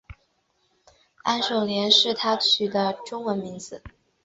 安守廉是他取的中文名字。